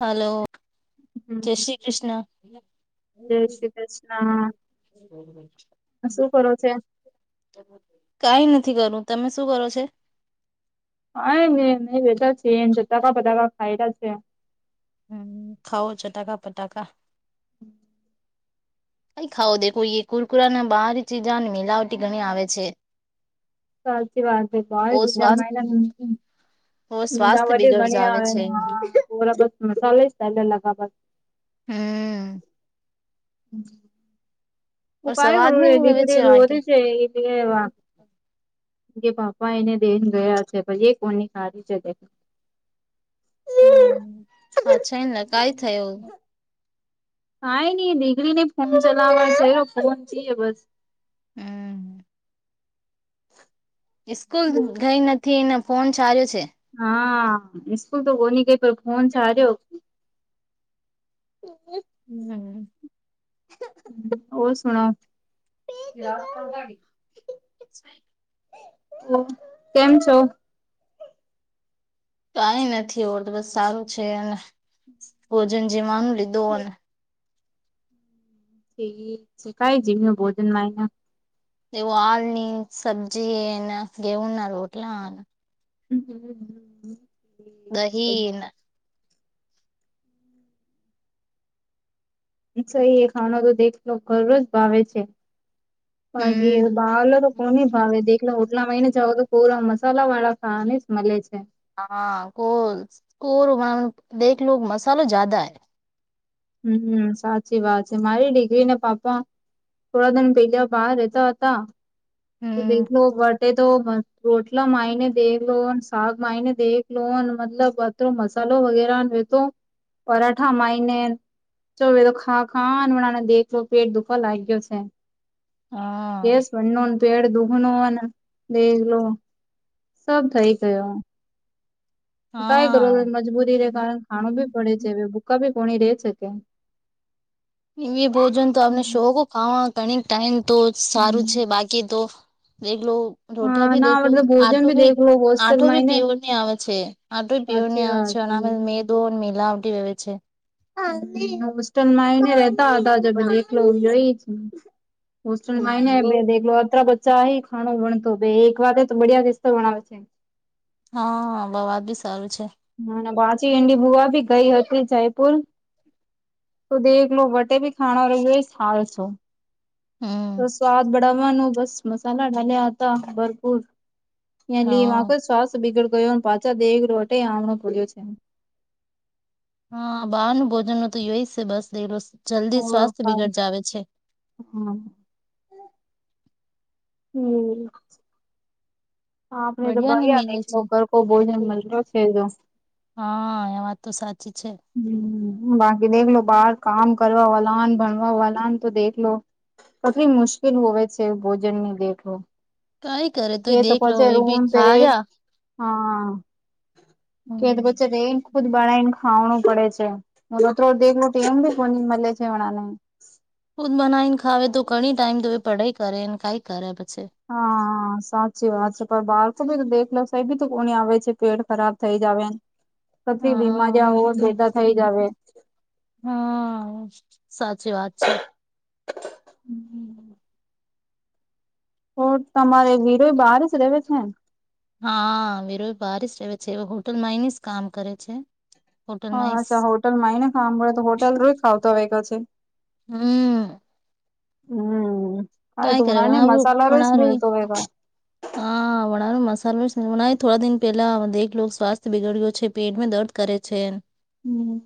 હાલો, હમ જય શ્રી કૃષ્ણ. જય શ્રી કૃષ્ણ શું કરો છે [inaudible] કઈ નથી કરવું, તમે શું કરો છો? હા એન વતા છે એ જતાકા બતાકા ખાયલા છે. હમ્મ, ખાઓ ચટાકા ફટાકા. હમ્મ. ક ખાવો દેખો કુરકુરા ના બહાર ચજની મિલાવટી ઘણી આવે છે. સાચી વાત છે, ઓ સ્વાસ્થ [unintelligible] ઓ સ્વાસ્થ્ય બિગડ જાવે છે [unintelligible] હમ્મ. હમ્મ. હું ઓર કઈ સ્વાદ કરું ભી રે ની હોવે છે દીકરી વહા કે રોરી છે એ [unintelligible] કે પાપા એને દેહને ગયા છે પછી એ કોની ખારી છે. હમ્મ, અછા એન લગાઈ થયો. હા એની દીકરીને ફોન ચલાવવા છે [unintelligible] હમ્મ. ઈ સ્કૂલ ગઈ નથી એને ફોન ચાલ્યો છે. હા નિસ્કૂલ તો બોની ગઈ પણ ફોન સાર્યો. એ. હમ. ઓ સુણ. રાગ. કેમ છો? કઈ નથી, હો તો બસ સારું છે, ભોજન જે માનું લીધો. છે, કઈ જીવને ભોજન માં એના એ વાળની સબ્જી, એના ગવના, હોટલા. હમ, હમ, હ. દહીં ને. સહી એ ખાના તો દેખલો ઘર જ ભાવે છે. હે હમ બાલર [unintelligible] કોને ભાવ એ દ [inaudible] એટલે ઓટલા મહિને જઓ, તો પૂરા મસાલા વાળા ખાવા જ મળે છે. હા, કો કો દેખલો લો, મસાલો જદા હ [unintelligible] હમ, સાચી વાત છે. મારી ડિગ્રી [unintelligible] ને પાપા થોડા દાણા પેલા બહાર રહેતા હતા, તો હમ દેખલો વટે તો. રોટલા માઇને દેખ લો સાગ માને દેખ લો મતલબ અત્ર મસાલો વગેરા [unintelligible] તો પરાઠા માય ને. ચાલ, તો ખા ખા બને દેખ લો, પેટ દુખવા લાગ્યો છે. હા કેસ મ પડ દુખ ન દેખલો [inaudible] [unintelligible] સબ થઇ ગયા. કઈ કરો, હા મજબૂરીને કારણે ખાણું બી પડે છે, વે ભૂકા ભી કોણી રે છે કેમ. એવી ભોજન તો આપને શોખ ખાવામાં ઘણી ટાઈમ તો સારું છે, બાકી તો. દેખલો લો, રોટિયા હા ભી ના દેખલો લો, મતલબ ભોજન આટો ભી. દેખલો હોસ્ટેલ આંઠો બી માંને પિયોરની આવે છે, આંઠું સાચી પિયોરની આવે વાત છે, અને મેદો મિલાવટી હોય છે. [unintelligible] [inaudible] હોસ્ટલમાં આવીને રેતા હતા, એકલો રહી છે. હમ હોસ્ટેલમાંય ને અત્ર બચ્ચા હ ખાો ભણતો એક વાતે તો બડિયા દસ્તો ભણવે છે [unintelligible] હા, બવાજ બી સારું છે. હ પાંચી ં [unintelligible] ડી ભુવા ભી ગઈ હતી જયપુર તો દેખ લો, વટે ભી ખાનારો રહીશ આવે છે. તો હમ સ્વાદ બડાવવાનું બસ, મસાલા ડાલ્યા હતા, ભરપૂર. ત્યાં લ હા વાખ શ્વાસ બીગડ ગયો પાછા દેહ રોટે આમણો પડ્યો [unintelligible] છે [inaudible] હા, બહાર નું ભોજન તો ખાય છે, બસ એ જલ્દી સ્વાસ્થ્ય બિગડ જાવે છે. હમ. હમ. હા, આપને તો બડિયા ને ભાઈ આવે મિલે છે, ઘર કો બોલકોને મહિનો થઈ ગયો તો. [unintelligible] હા, એ વાત તો સાચી છે. હમ, બાકી દેખલો, બહાર કામ કરવા વાળા ને, ભણવાવાળા તો દેખલો. પટલી મુશ્કેલ હોય છે, ભોજન ની દેખું. કઈ કરે એ તો દેખ લો પછી એ બી રુંમ પરે. [unintelligible] ખાર્યા હા કે હમ પછ ર એન ખુદ બળ એનઞમ [unintelligible] [inaudible] ખાવણું પડે છે, બત દેખવું એમ બી ફોની મળે છે, હમણાંને. [unintelligible] ખુદ બનાવી ને, ખાવે તો ઘણી ટાઈમ તો, પઢાઈ કરે ને, ખાઈ કયારે પછી હા. હા, સાચી વાત છે. પણ બાળકો ભી તો દેખ લે છે, બી તો કોની આવે છે, પેટ ખરાબ થઈ જ આવે ને. પટલી હા બીમારી હો સેધા થઈ જ આવે [unintelligible] [inaudible] હમ, સાચી વાત છે. તો તમારે વિરો બહાર જ રેવે છે ને. હા, વિરો બાર રહે છે, હોટલમાં જ કામ કરે છે. હા, હોટલમાં અચ્છા હોટલમાંય ને, ખાવા મળે, તો હોટેલ રોય ખાવતો હો ક છે. [unintelligible] હમ હમ હવે કાંઈ કરે ધૂનાને વણાવું મસાલા રસ વણારું મલતો રેગા. હા વડાનો મસાલો જ હમણાં થોડા દીન પેલા દેખલો સ્વાસ્થ્ય બિગડયો છે, પેટમે દર્દ કરે છે ન. હમ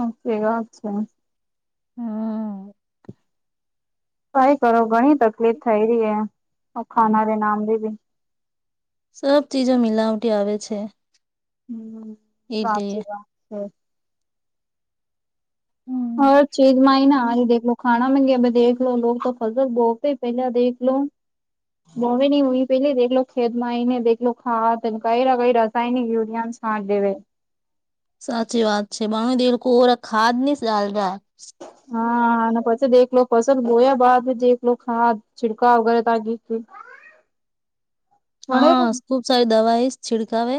સાચી વાત છે. હમ કાય કરો ઘણી તકલીફ થઈ રહી હે ખાનારી નામ બી બી. સબ ચીજો મિલાવટી આવે છે. હમ એટલે સાચી વાત છે. હરેક ચીજમાંય ના હિ દેખલો. ખાના મગે ભ દેખલો લો તો ફજલ બહતે પહેલા દેખ લો. ગોવે નહી હય પેલી દેખલો ખેતમાંઈ ને દેખલો ખાત કઈ કઈ રસાયનિક યુરિયા. નાખ દેવે. સાચી વાત છે બાણ દ લોકો ઓરા ખાદ ની ડાલરા. હા અને પછી દેખલો પસંદ ગોયા બાદ દેખલો ખાદ છિડકા વગેરે તાકી. હા ખુબ સારી દવાઈ સ છિડકાવે.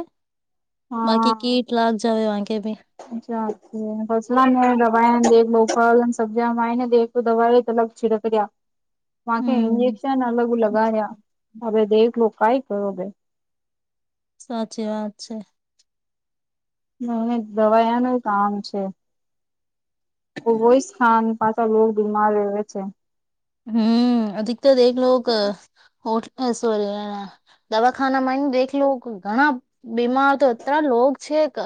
બાકી કીટ લાગ જાવે વાગે ભી. અચ્છા પછી વા રવાયાને દેખ બોપલ એન સબ્જીયા માય ને દેખ. તો દવાએ અલગ છીડક રયા. [inaudible] મા કે હમ ઇન્જેક્શન અલગ લગાડ્યા અરે દેખલો કાઈ કરો બે. સાચી વાત છે. મને દવાયાનું કામ છે. કોઈ સ્થાન પાછળ લોગ બીમાર રેવે છે. હમ અધિકતર દેખલો હો સોરી આ દવાખાના માં આઈ ન દેખ લો ઘણા બીમાર તો અતરા લોગ છે કે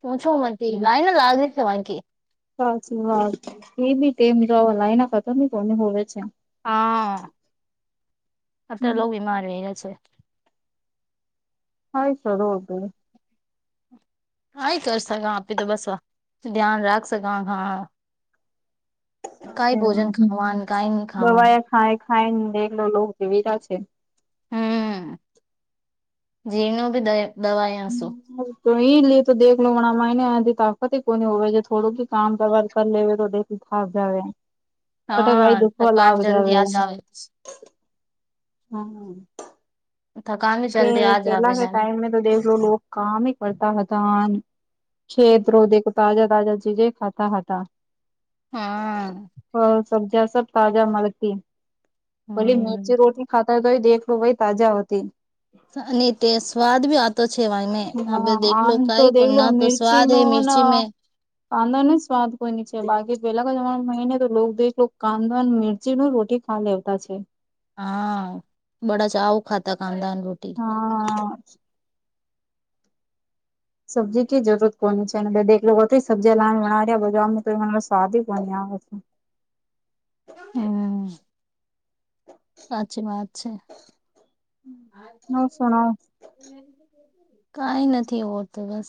પુંછો મ લાઈને લાગે ને વાઘરી છે વાકી. સાચી વાત છે એ બીતેમ તો લાઈના ખતમ ની કોની હોવે છે. હા અત લોકો બીમાર રેવે છે. [inaudible] કઈ કર સક આપે તો બસ ધ્યાન રાખશે કા હા. કઈ ભોજન ની ખાવાનું ને કઈ ની ખાવાનું. દવાએ ખાય ખાય ને દેખલો જીવી રા છે. હમ જી નું ભી દ દવાઈસું. તો એ લે તો દેખલો લો મણા માને થી તાકત કોની હોવે જે થોડું કે કામ દર કર લેવે તો. તો ફાગ જાવે. હા કટકાઈ ભગવાન જલ્દી યાદ આવે. હમ થકાન બી કે જલ્દી આ જ આવે હ પેલા ટાઈમ મેં તો દેખલો કામ હી કરતા હતા ન ખેતરો દે તાજા તાજા ચીજે ખાતા હતા. હા હહ સબ્જિયા સબ તાજા મળલતી ભલી હમ મેર્ચી રોટી ખાતા તોય દેખ ખુબય તાજા હોતી. અને તે સ્વાદ બી આવતો છે વાય અ હા દેખલો આમ તો કાઈ કો દેખલો ના તો મિર્ચી સ્વાદ નો હૈ ને મિર્ચી મેં. કાંદા ન સ્વાદ કોઈની છે બાકી પેલા જવા મહિને તો દ કાંદા મિરચી ન રોટી ખા લેવતા છે. હા બડા ચાઉ ખાતા કાંદા ને રોટી. હા સબ્જી ક જરૂરત કોની છે અને બધ એક લોકો સબ્જી લાવાવ્યા બ તો સ્વાદ કોની આવે છે. હમ્મ. સાચી વાત છે. ઓર સુણાઓ? કઈ નથી આવડ તો બસ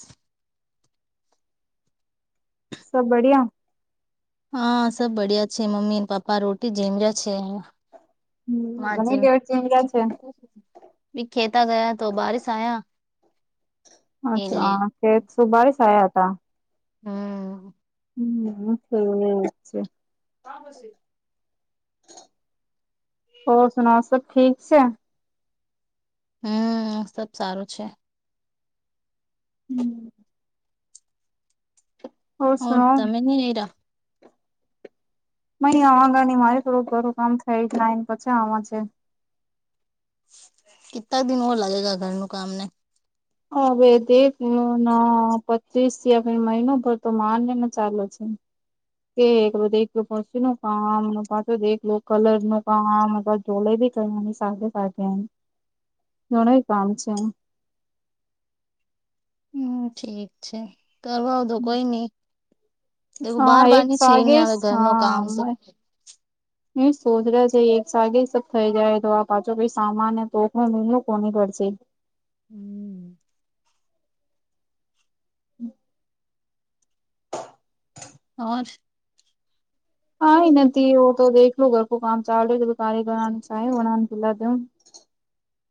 સબ બડીયા. હા સબ બડિયા છે મમ્મી પપ્પા રોટી જેમ જ છે. હમ્મ માર ઘણી લેવર જીમ ગયા છે. ભી ખેતા ગયા તો બારિશ આયા. એટલે અચ્છા કે સુ બારીસ આયા હતા. હમ [unintelligible] કા બસે. ઓર સુના સબ ઠીક છે. હમ સબ સારું છે. હમ્મ. ઓર હ સુનાઓ? તમે નઈરા. મ આગ ન મારે થોડુંક ઘર કામ થાય જ લાઈન પછી આવા છે. કેટલા દિન ઓર લાગેગા ઘરનું કામને. હવે દ ના પત્રીસ થી મહિનો ભર તો માન ને ચાલલે છે. કે પછી નું કામ પાછી દેખલો કલર નું કામ. ચોલે ભી ક અને સાઘે સા. ઘણું એ કામ છે. હમ ઠીક છે કરવા આવ તો કોઈ નઈ. એવું હા બાર બાર એક ની છે એ નિ સાગે આવે ઘરનું કામ હા છે. એ સોધરા છે એક સાથેે સ થઈ જાય તો આ પાછો કઈ સામાન તો મિ કોની પડશે. હમ્મ. [inaudible] હર. હા નથી તો દેખલો લો ઘર કો કામ ચાલ કારીગરનું ચાને બલા દ.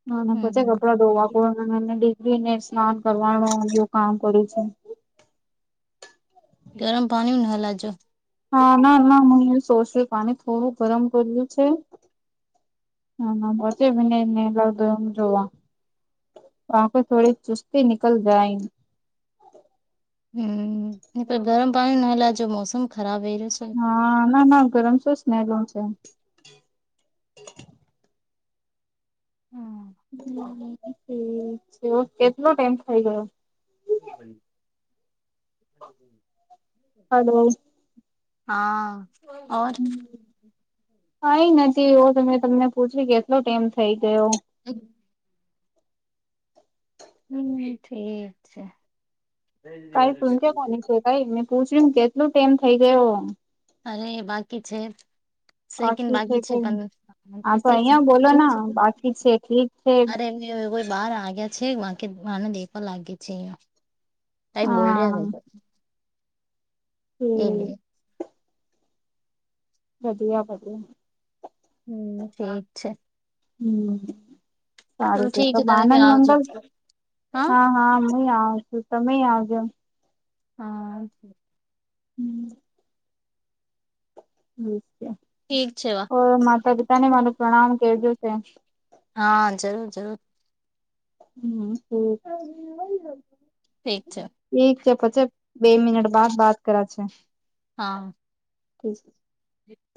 ના ના પછે કપડા ધોવા બોવા એને ડિગ્રી ને સ્નાન કરવાનું ને એવું કામ કર્યું છે ગરમ પાણી ન હલાજો. હા ના ના હું એ સોસું પાણી થોડું ગરમ કર્યું છે. હ ના બસ ભને એને લ જોવ. વાં પ થોડી ચુસ્તી નિકલ જાય. હમ હું તો ગરમ પાણી નાહલા જો મોસમ ખરાબ હે. હા ના ના ગરમ શું જનેલું છે. હમ્મ. ઠીક છે કેટલો ટાઈમ થઇ ગયો. હલો. હા અવાજ કઈ નથી એવો તો મેં તમને પૂછ્યું કેટલો ટાઈમ થઇ ગયો. એક હમ ઠીક છે. ભાઈ મેં પૂછ્યું કેટલો ટાઈમ થઇ ગયો અરે બાકી છે. બાકી છે કે હા તો ત્રીસેક અહિયાં બોલો ના બાકી છે ઠીક છે. અરે કોઈ બાર આગ્યા છે બાકી આને દેખવા લાગી છે. કઈ બોલ હા રહ્યા ન તો. હમ્મ વધિયા વધિયા. હમ્મ ઠીક છે. હમ્મ. ચલો સારું છે ઠીક તો તમે બી આનંદ આવજો મંગલ હા હા હ આવ છું તમે આવજો. હા હમ્મ. ઠીક છે વા અ માતા પિતા ને મારું પ્રણામ કેજો છે. હા જરૂર જરૂર. હમ હમ ઠીક છે. ઠીક છે પછી બે મિનિટ બાદ બાત કરા છે. હા. [unintelligible] હમ્મ.